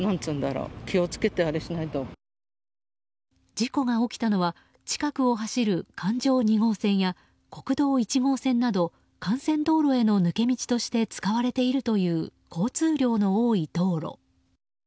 事故が起きたのは近くを走る環状２号線や国道１号線など幹線道路への抜け道として使われているという交通量の多い道路。